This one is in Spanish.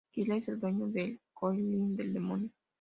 Kirk es el dueño del copyright del demonio.